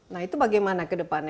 nah itu bagaimana ke depannya